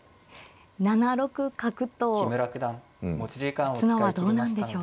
７六角と打つのはどうなんでしょうか。